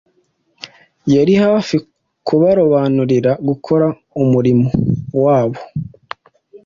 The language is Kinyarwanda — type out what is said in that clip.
Yari hafi kubarobanurira gukora umurimo wabo.